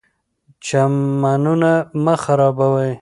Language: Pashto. چمنونه مه خرابوئ.